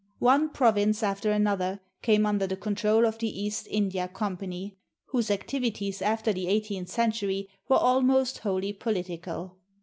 One province after another came under the control of the East India Company, whose activities after the eighteenth century were almost wholly political.